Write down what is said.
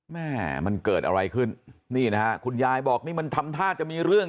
แม่มันเกิดอะไรขึ้นนี่นะฮะคุณยายบอกนี่มันทำท่าจะมีเรื่อง